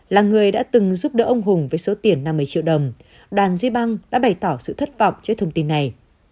là người đã từng giúp đỡ ông hùng với số tiền năm mươi triệu đồng đàn di băng đã bày tỏ sự thất vọng cho thông tin này